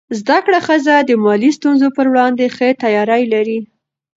زده کړه ښځه د مالي ستونزو پر وړاندې ښه تیاری لري.